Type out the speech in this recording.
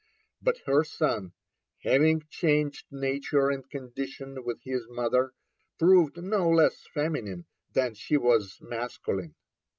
But her son having changed nature and condition with his mother, proved no less feminine than she was masculine.